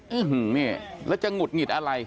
ื้อหือนี่แล้วจะหงุดหงิดอะไร